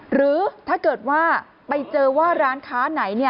หรือถ้าเกิดว่าไปเจอว่าร้านค้าไหน